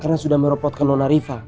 karena sudah merepotkan nona riva